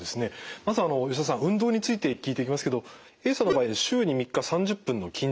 まずあの吉田さん運動について聞いていきますけどＡさんの場合週に３日３０分の筋トレでした。